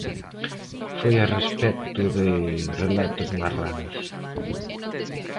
Foi a respecto de "Relatos marranos".